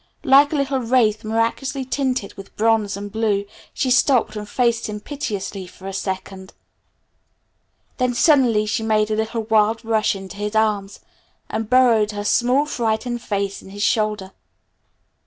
Like a little wraith miraculously tinted with bronze and blue she stopped and faced him piteously for a second. Then suddenly she made a little wild rush into his arms and burrowed her small frightened face in his shoulder.